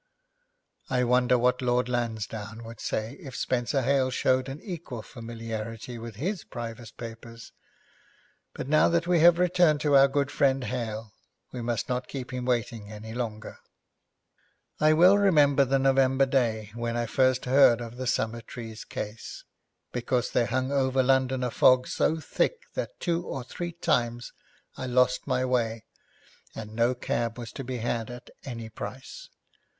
I wonder what Lord Lansdowne would say if Spenser Hale showed an equal familiarity with his private papers! But now that we have returned to our good friend Hale, we must not keep him waiting any longer. I well remember the November day when I first heard of the Summertrees case, because there hung over London a fog so thick that two or three times I lost my way, and no cab was to be had at any price.